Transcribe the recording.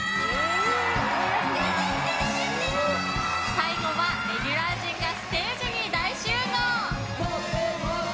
最後はレギュラー陣がステージに大集合。